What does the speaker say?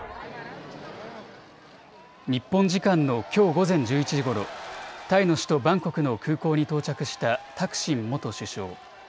日本時間のきょう午前１１時ごろ、タイの首都バンコクの空港に到着したタクシン元首相。